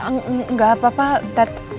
nggak apa apa ted